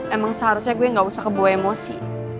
emang seharusnya gue gak usah kebuah emosi